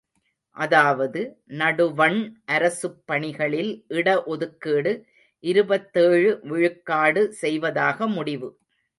அதாவது, நடுவண் அரசுப் பணிகளில் இட ஒதுக்கீடு இருபத்தேழு விழுக்காடு செய்வதாக முடிவு.